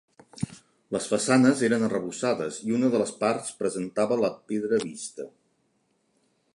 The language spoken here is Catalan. Les façanes eren arrebossades i una de les parts presentava la pedra vista.